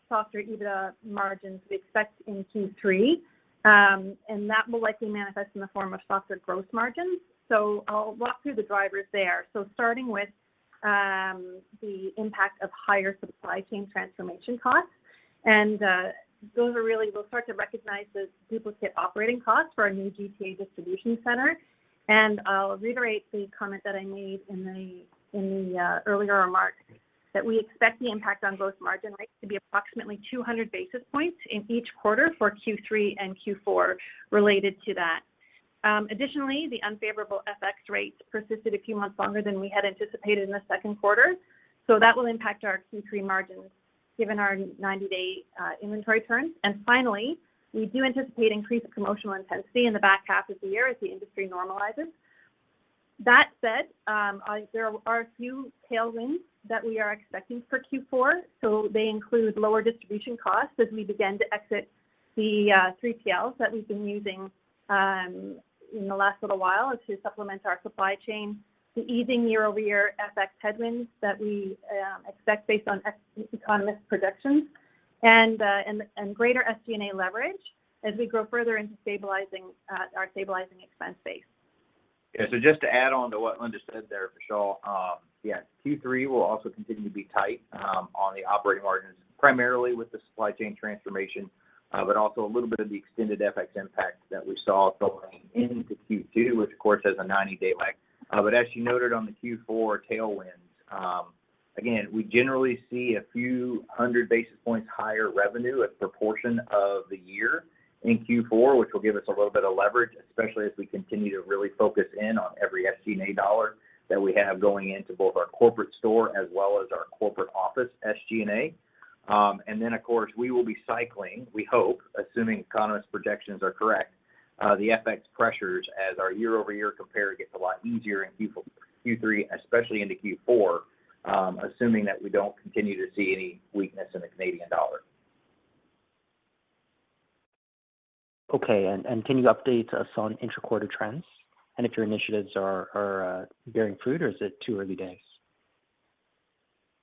softer EBITDA margins we expect in Q3, and that will likely manifest in the form of softer gross margins. I'll walk through the drivers there. Starting with the impact of higher supply chain transformation costs, and those are really, we'll start to recognize those duplicate operating costs for our new GTA distribution center. I'll reiterate the comment that I made in the earlier remarks, that we expect the impact on gross margin rates to be approximately 200 basis points in each quarter for Q3 and Q4 related to that. Additionally, the unfavorable FX rates persisted a few months longer than we had anticipated in the Q2, so that will impact our Q3 margins, given our 90-day inventory turn. Finally, we do anticipate increased promotional intensity in the back half of the year as the industry normalizes. That said, there are a few tailwinds that we are expecting for Q4, so they include lower distribution costs as we begin to exit the 3PLs that we've been using in the last little while to supplement our supply chain. The easing year-over-year FX headwinds that we expect based on economist projections, and greater SG&A leverage as we grow further into stabilizing our stabilizing expense base. Yeah, just to add on to what Linda said there, Vishal, yes, Q3 will also continue to be tight on the operating margins, primarily with the supply chain transformation, but also a little bit of the extended FX impact that we saw filtering into Q2, which of course, has a 90-day lag. As you noted on the Q4 tailwinds, again, we generally see a few 100 basis points higher revenue, a proportion of the year in Q4, which will give us a little bit of leverage, especially as we continue to really focus in on every CAD dollar that we have going into both our corporate store as well as our corporate office SG&A. Then, of course, we will be cycling, we hope, assuming economists' projections are correct, the FX pressures as our year-over-year compare gets a lot easier in Q3, especially into Q4, assuming that we don't continue to see any weakness in the Canadian dollar. Okay, and can you update us on intraquarter trends, and if your initiatives are bearing fruit, or is it too early days?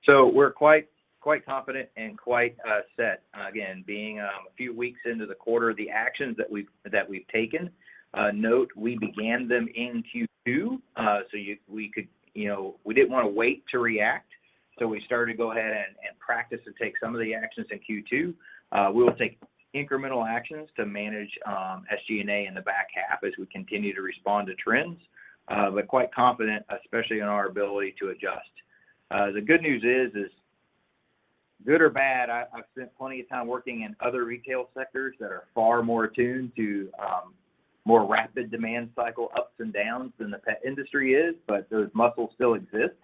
We're quite, quite confident and quite set. Again, being a few weeks into the quarter, the actions that we've, that we've taken, note, we began them in Q2. You know, we didn't wanna wait to react, we started to go ahead and, and practice and take some of the actions in Q2. We will take incremental actions to manage SG&A in the back half as we continue to respond to trends, but quite confident, especially in our ability to adjust. The good news is, is good or bad, I, I've spent plenty of time working in other retail sectors that are far more attuned to more rapid demand cycle ups and downs than the pet industry is, but those muscles still exist.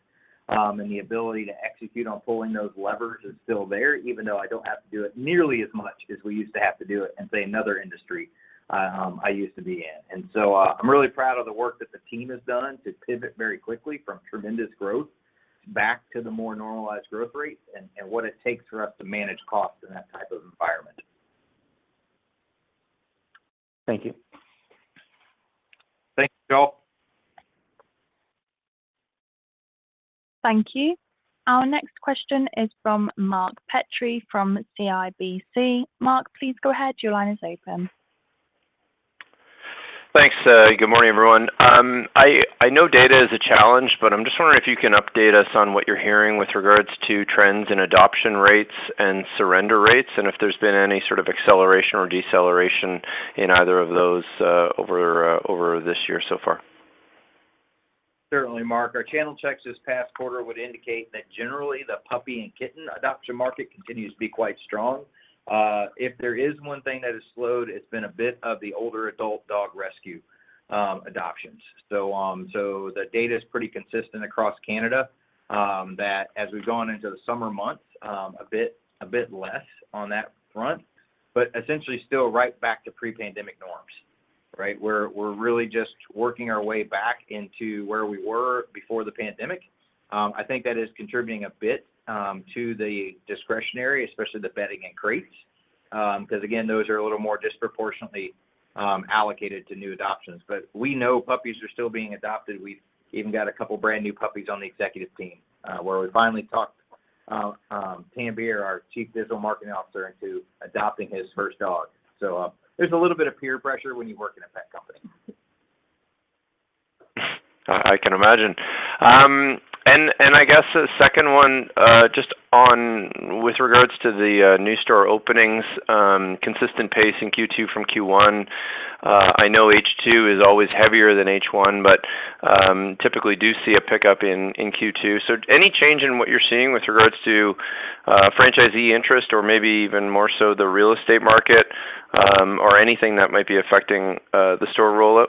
The ability to execute on pulling those levers is still there, even though I don't have to do it nearly as much as we used to have to do it in, say, another industry, I used to be in. So, I'm really proud of the work that the team has done to pivot very quickly from tremendous growth back to the more normalized growth rate and, and what it takes for us to manage costs in that type of environment. Thank you. Thanks, Vishal. Thank you. Our next question is from Mark Petrie, from CIBC. Mark, please go ahead. Your line is open. Thanks. Good morning, everyone. I, I know data is a challenge, but I'm just wondering if you can update us on what you're hearing with regards to trends and adoption rates and surrender rates, and if there's been any sort of acceleration or deceleration in either of those over this year so far. Certainly, Mark. If there is one thing that has slowed, it's been a bit of the older adult dog rescue adoptions. The data is pretty consistent across Canada, that as we've gone into the summer months, a bit, a bit less on that front, but essentially still right back to pre-pandemic norms, right? We're, we're really just working our way back into where we were before the pandemic. I think that is contributing a bit to the discretionary, especially the bedding and crates, 'cause again, those are a little more disproportionately allocated to new adoptions. We know puppies are still being adopted. We've even got a couple of brand-new puppies on the executive team, where we finally talked, Tanbir, our Chief Digital Marketing Officer, into adopting his first dog. There's a little bit of peer pressure when you work in a pet company. I can imagine. And I guess the second one, just on with regards to the new store openings, consistent pace in Q2 from Q1. I know H2 is always heavier than H1, but typically do see a pickup in Q2. Any change in what you're seeing with regards to franchisee interest or maybe even more so the real estate market, or anything that might be affecting the store rollout?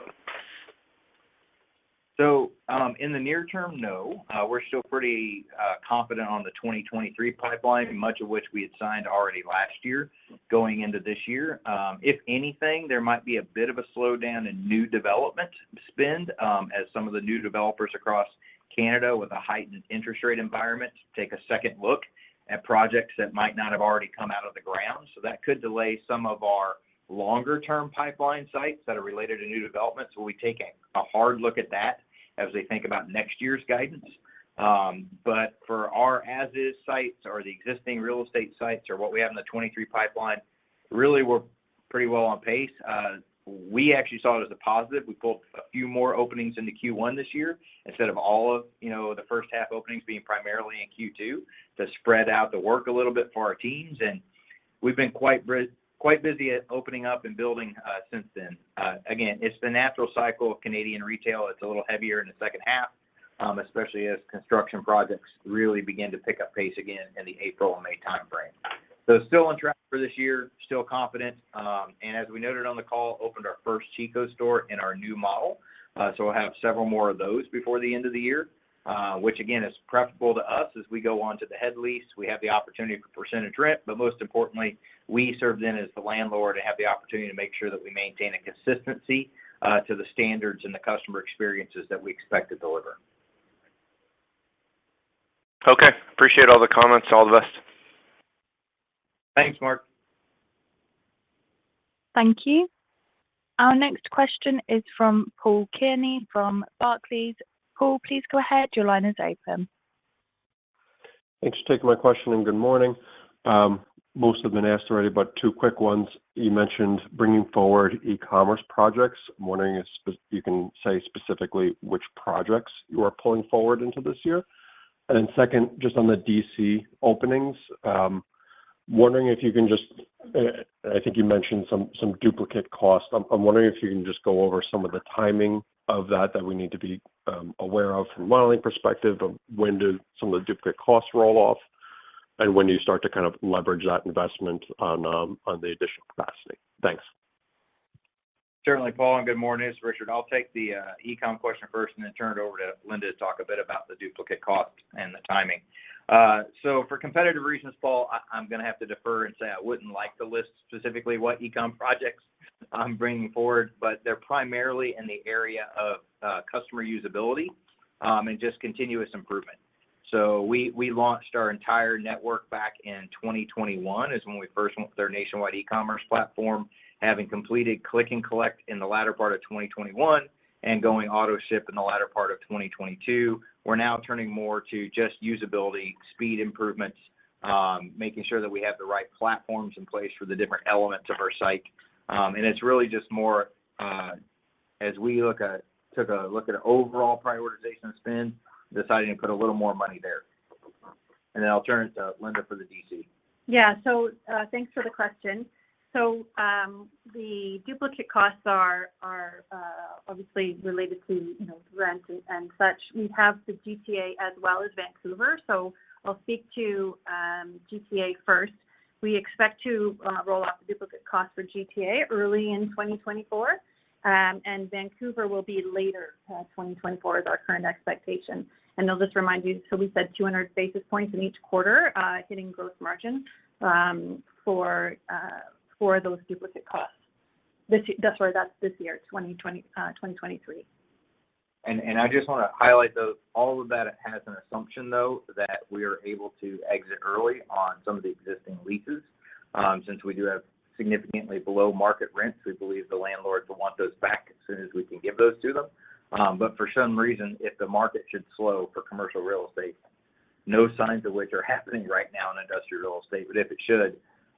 In the near term, no. We're still pretty confident on the 2023 pipeline, much of which we had signed already last year going into this year. If anything, there might be a bit of a slowdown in new development spend, as some of the new developers across Canada with a heightened interest rate environment to take a second look at projects that might not have already come out of the ground. That could delay some of our longer-term pipeline sites that are related to new developments. We take a hard look at that as we think about next year's guidance. But for our as-is sites or the existing real estate sites, or what we have in the 2023 pipeline, really, we're pretty well on pace. We actually saw it as a positive. We pulled a few more openings into Q1 this year, instead of all of, you know, the first half openings being primarily in Q2, to spread out the work a little bit for our teams, and we've been quite busy at opening up and building since then. Again, it's the natural cycle of Canadian retail. It's a little heavier in the second half, especially as construction projects really begin to pick up pace again in the April and May timeframe. Still on track for this year, still confident, and as we noted on the call, opened our first Chico store in our new model. We'll have several more of those before the end of the year, which again, is preferable to us as we go on to the head lease. We have the opportunity for percentage rent, but most importantly, we serve then as the landlord and have the opportunity to make sure that we maintain a consistency to the standards and the customer experiences that we expect to deliver. Okay, appreciate all the comments, all the best. Thanks, Mark. Thank you. Our next question is from Paul Kearney from Barclays. Paul, please go ahead. Your line is open. Thanks for taking my question, and good morning. Most have been asked already, but two quick ones. You mentioned bringing forward e-commerce projects. I'm wondering if you can say specifically which projects you are pulling forward into this year? Then second, just on the DC openings, wondering if you can just. I think you mentioned some, some duplicate costs. I'm wondering if you can just go over some of the timing of that, that we need to be aware of from a modeling perspective, of when do some of the duplicate costs roll off and when do you start to kind of leverage that investment on the additional capacity? Thanks. Certainly, Paul, good morning. It's Richard. I'll take the e-com question first and then turn it over to Linda to talk a bit about the duplicate costs and the timing. For competitive reasons, Paul, I, I'm gonna have to defer and say I wouldn't like to list specifically what e-com projects I'm bringing forward, but they're primarily in the area of customer usability and just continuous improvement. We, we launched our entire network back in 2021, is when we first went with our nationwide e-commerce platform. Having completed click-and-collect in the latter part of 2021 and going Autoship in the latter part of 2022, we're now turning more to just usability, speed improvements, making sure that we have the right platforms in place for the different elements of our site. It's really just more, as we look at-- took a look at overall prioritization spend, deciding to put a little more money there. Then I'll turn it to Linda for the DC. Yeah. Thanks for the question. The duplicate costs are obviously related to, you know, rent and such. We have the GTA as well as Vancouver. I'll speak to GTA first. We expect to roll out the duplicate cost for GTA early in 2024, and Vancouver will be later. 2024 is our current expectation. I'll just remind you, we said 200 basis points in each quarter hitting gross margin for those duplicate costs. That's right, that's this year, 2023. I just wanna highlight, though, all of that has an assumption, though, that we are able to exit early on some of the existing leases. Since we do have significantly below-market rents, we believe the landlords will want those back as soon as we can give those to them. For some reason, if the market should slow for commercial real estate, no signs of which are happening right now in industrial real estate, but if it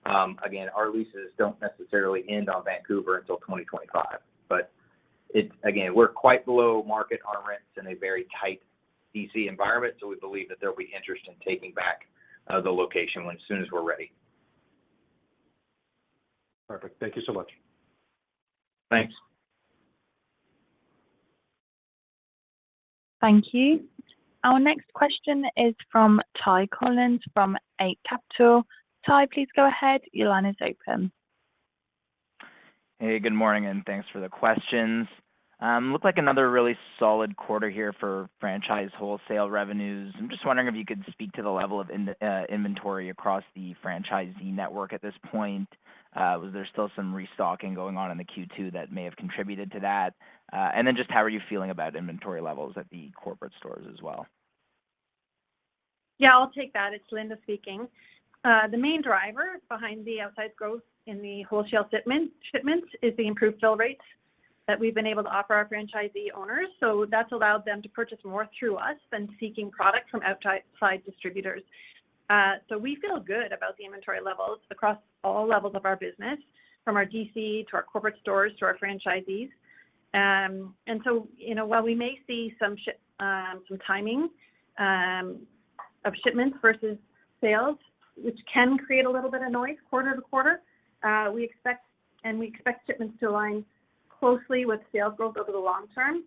should, again, our leases don't necessarily end on Vancouver until 2025. It's, again, we're quite below market on rents in a very tight DC environment, so we believe that there will be interest in taking back the location when as soon as we're ready. Perfect. Thank you so much. Thanks. Thank you. Our next question is from Ty Collin, from Echelon Capital Markets. Ty, please go ahead. Your line is open. Hey, good morning, and thanks for the questions. Looked like another really solid quarter here for franchise wholesale revenues. I'm just wondering if you could speak to the level of inventory across the franchisee network at this point. Was there still some restocking going on in the Q2 that may have contributed to that? Just how are you feeling about inventory levels at the corporate stores as well? Yeah, I'll take that. It's Linda speaking. The main driver behind the outsized growth in the wholesale shipments is the improved fill rates that we've been able to offer our franchisee owners. That's allowed them to purchase more through us than seeking product from outside distributors. We feel good about the inventory levels across all levels of our business, from our DC to our corporate stores to our franchisees. You know, while we may see some timing of shipments versus sales, which can create a little bit of noise quarter-to-quarter, we expect shipments to align closely with sales growth over the long term,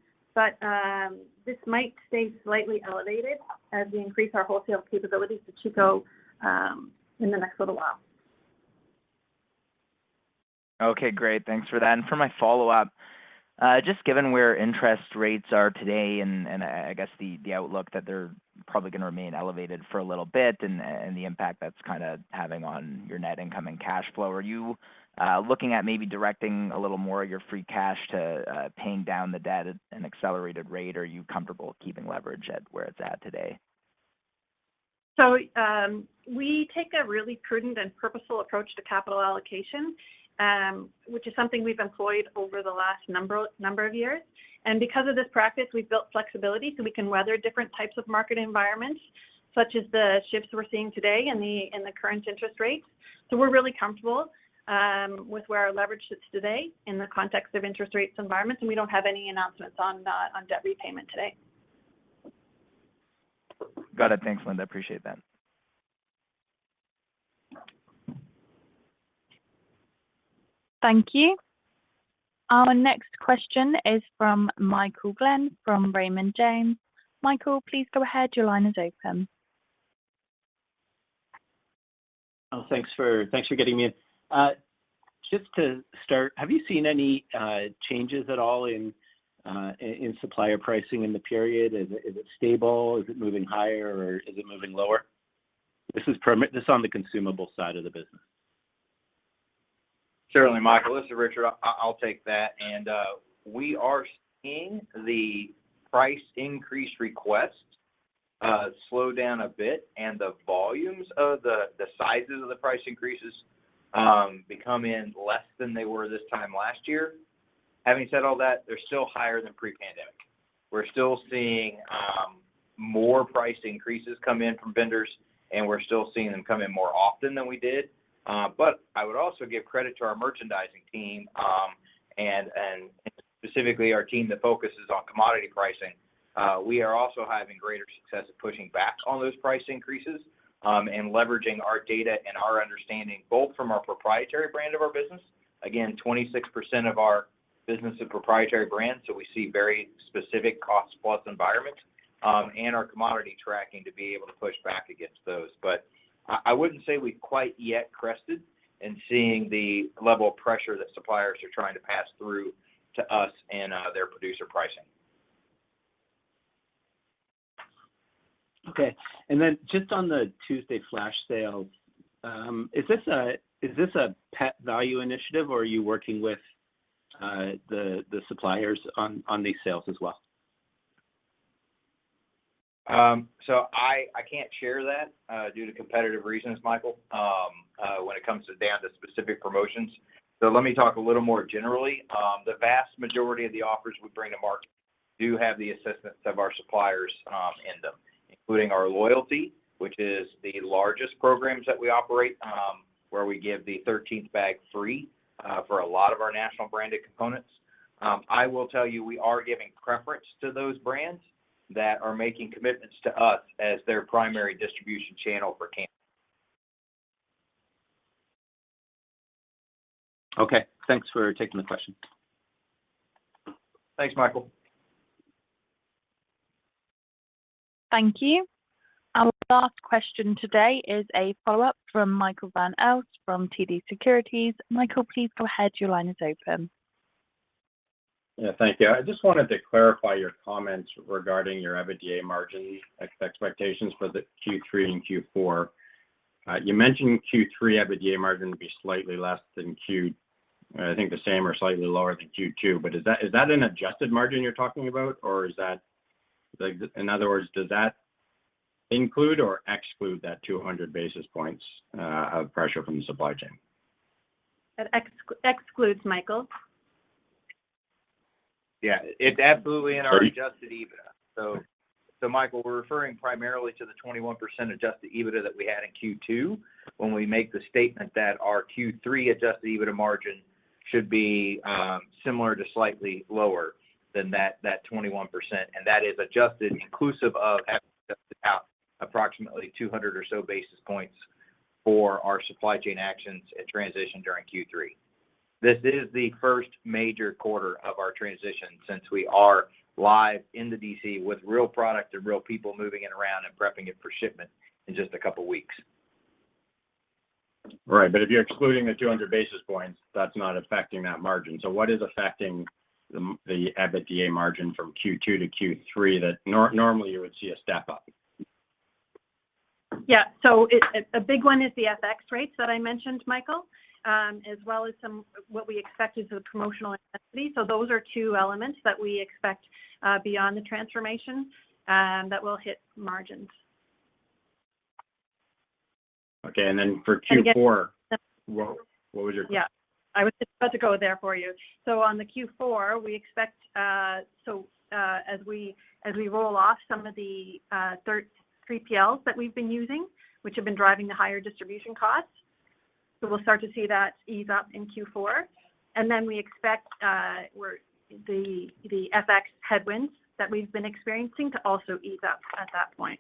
this might stay slightly elevated as we increase our wholesale capabilities to Chico in the next little while. Okay, great. Thanks for that. For my follow-up, just given where interest rates are today, and, and I, I guess the, the outlook that they're probably gonna remain elevated for a little bit and, and the impact that's kinda having on your net income and cash flow, are you looking at maybe directing a little more of your free cash to paying down the debt at an accelerated rate, or are you comfortable keeping leverage at where it's at today?... We take a really prudent and purposeful approach to capital allocation, which is something we've employed over the last number, number of years. Because of this practice, we've built flexibility, so we can weather different types of market environments, such as the shifts we're seeing today in the current interest rates. We're really comfortable, with where our leverage sits today in the context of interest rates environments, and we don't have any announcements on, on debt repayment today. Got it. Thanks, Linda. I appreciate that. Thank you. Our next question is from Michael Glen from Raymond James. Michael, please go ahead. Your line is open. Oh, thanks for, thanks for getting me in. Just to start, have you seen any changes at all in in supplier pricing in the period? Is it stable? Is it moving higher, or is it moving lower? This on the consumable side of the business. Certainly, Michael, this is Richard. I, I'll take that. We are seeing the price increase request slow down a bit, and the volumes of the, the sizes of the price increases come in less than they were this time last year. Having said all that, they're still higher than pre-pandemic. We're still seeing more price increases come in from vendors, and we're still seeing them come in more often than we did. I would also give credit to our merchandising team, and specifically our team that focuses on commodity pricing. We are also having greater success at pushing back on those price increases, and leveraging our data and our understanding, both from our proprietary brand of our business. Again, 26% of our business is proprietary brands, so we see very specific cost plus environment, and our commodity tracking to be able to push back against those. I, I wouldn't say we've quite yet crested in seeing the level of pressure that suppliers are trying to pass through to us and their producer pricing. Okay. Then just on the Tuesday flash sales, is this a Pet Valu initiative, or are you working with the suppliers on these sales as well? I, I can't share that due to competitive reasons, Michael, when it comes to down to specific promotions. Let me talk a little more generally. The vast majority of the offers we bring to market do have the assistance of our suppliers in them, including our loyalty, which is the largest programs that we operate, where we give the 13th bag free for a lot of our national branded components. I will tell you, we are giving preference to those brands that are making commitments to us as their primary distribution channel for camp. Okay. Thanks for taking the question. Thanks, Michael. Thank you. Our last question today is a follow-up from Michael van Aelst from TD Securities. Michael, please go ahead. Your line is open. Yeah, thank you. I just wanted to clarify your comments regarding your EBITDA margin expectations for the Q3 and Q4. You mentioned Q3 EBITDA margin would be slightly less than, I think the same or slightly lower than Q2, but is that, is that an adjusted margin you're talking about, or is that... Like, in other words, does that include or exclude that 200 basis points of pressure from the supply chain? That exc-excludes, Michael. Yeah, it absolutely in our Adjusted EBITDA. Sorry. Michael, we're referring primarily to the 21% Adjusted EBITDA that we had in Q2 when we make the statement that our Q3 Adjusted EBITDA margin should be similar to slightly lower than that, that 21%, and that is adjusted inclusive of approximately 200 or so basis points for our supply chain actions and transition during Q3. This is the first major quarter of our transition since we are live in the DC with real product and real people moving it around and prepping it for shipment in just a couple of weeks. Right. If you're excluding the 200 basis points, that's not affecting that margin. What is affecting the EBITDA margin from Q2 to Q3 that normally you would see a step up? Yeah. It, a, a big one is the FX rates that I mentioned, Michael, as well as some, what we expect is the promotional intensity. Those are two elements that we expect, beyond the transformation, that will hit margins. Okay, then for Q4- again. What, what was your question? Yeah, I was just about to go there for you. On the Q4, we expect. As we, as we roll off some of the third 3PLs that we've been using, which have been driving the higher distribution costs, so we'll start to see that ease up in Q4. We expect where the FX headwinds that we've been experiencing to also ease up at that point.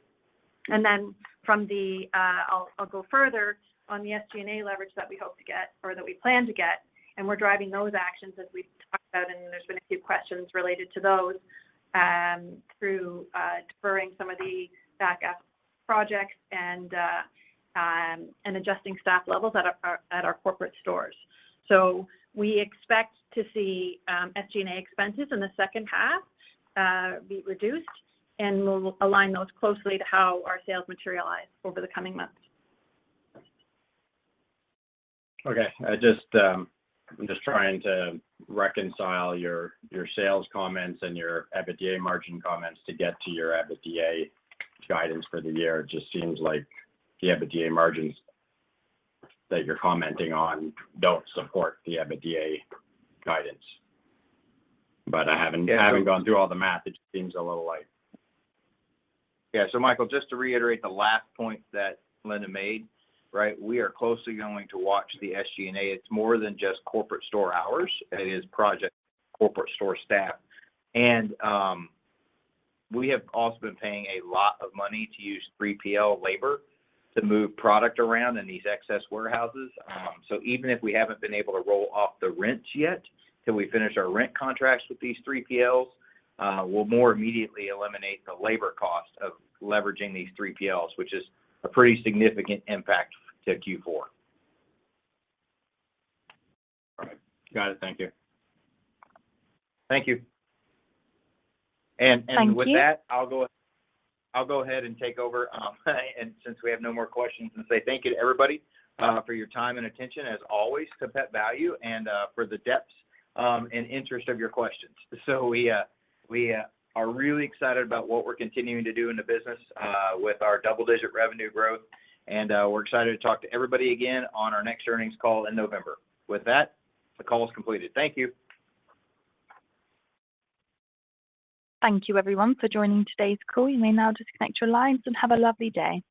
From the, I'll, I'll go further on the SG&A leverage that we hope to get or that we plan to get, and we're driving those actions as we've talked about, and there's been a few questions related to those, through deferring some of the back-up projects and adjusting staff levels at our, at our corporate stores. We expect to see SG&A expenses in the second half be reduced, and we'll align those closely to how our sales materialize over the coming months. Okay. I just, I'm just trying to reconcile your, your sales comments and your EBITDA margin comments to get to your EBITDA guidance for the year. It just seems like the EBITDA margins that you're commenting on don't support the EBITDA guidance. I haven't, I haven't gone through all the math. It seems a little light. Yeah. Michael, just to reiterate the last point that Linda made, right? We are closely going to watch the SG&A. It's more than just corporate store hours. It is project corporate store staff. We have also been paying a lot of money to use 3PL labor to move product around in these excess warehouses. Even if we haven't been able to roll off the rents yet, till we finish our rent contracts with these 3PLs, we'll more immediately eliminate the labor cost of leveraging these 3PLs, which is a pretty significant impact to Q4. All right. Got it. Thank you. Thank you. Thank you. And with that, I'll go, I'll go ahead and take over, and since we have no more questions, and say thank you to everybody, for your time and attention, as always, to Pet Valu and for the depth and interest of your questions. We are really excited about what we're continuing to do in the business, with our double-digit revenue growth, and we're excited to talk to everybody again on our next earnings call in November. With that, the call is completed. Thank you. Thank you everyone for joining today's call. You may now disconnect your lines and have a lovely day.